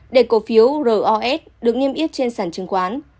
để cổ phiếu ros được nghiêm yếp trên sản chứng khoán